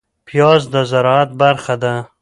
پياز د زراعت برخه ده